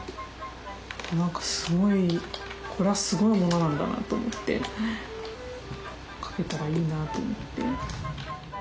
何かすごいこれはすごいものなんだなと思って描けたらいいなと思って。